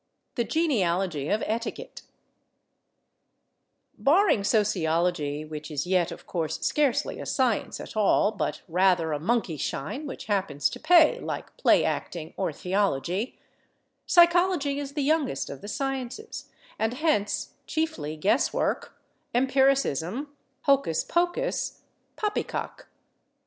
THE GENEALOGY OF ETIQUETTE Barring sociology (which is yet, of course, scarcely a science at all, but rather a monkeyshine which happens to pay, like play acting or theology), psychology is the youngest of the sciences, and hence chiefly guesswork, empiricism, hocus pocus, poppycock.